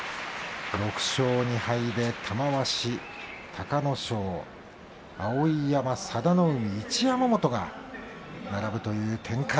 ６勝２敗で玉鷲、隆の勝、碧山、佐田の海、一山本が並ぶという展開。